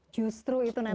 justru itu nanti ya